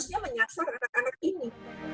nah kini harusnya menyasar anak anak ini